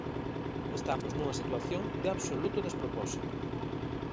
Estamos nunha situación de absoluto despropósito.